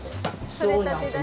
採れたてだし。